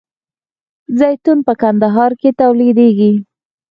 زیتون په ننګرهار کې تولیدیږي.